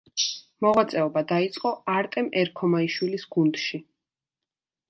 მოღვაწეობა დაიწყო არტემ ერქომაიშვილის გუნდში.